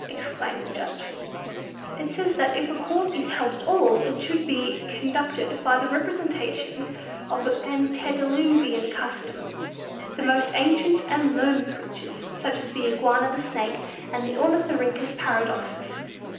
exclaimed the judge. "It says that if a Court is held at all, it should be conducted by the representative of Antediluvian custom, the most ancient and learned creatures, such as the Iguana, the Snake, and Ornithorhynchus Paradoxus.